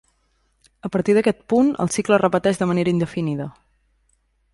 A partir d'aquest punt, el cicle es repeteix de manera indefinida.